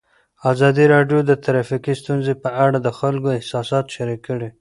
ازادي راډیو د ټرافیکي ستونزې په اړه د خلکو احساسات شریک کړي.